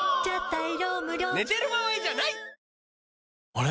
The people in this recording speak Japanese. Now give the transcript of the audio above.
あれ？